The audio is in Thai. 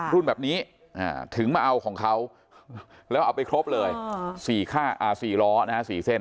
รุ่นแบบนี้ถึงมาเอาของเขาแล้วเอาไปครบเลย๔ล้อ๔เส้น